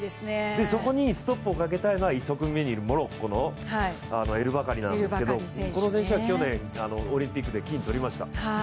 そこにストップをかけたいのが、１組目にいるモロッコのエル・バカリなんですけどこの選手は去年オリンピックで金を取りました。